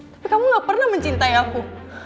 tapi kamu gak pernah mencintai aku